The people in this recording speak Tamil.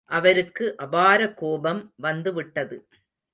அவருக்கு அபார கோபம் வந்துவிட்டது.